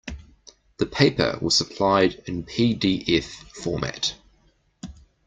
The paper was supplied in pdf format.